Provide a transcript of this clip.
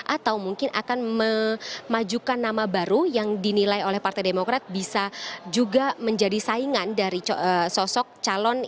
atau mungkin akan memajukan nama baru yang dinilai oleh partai demokrat bisa juga menjadi saingan dari sosok calon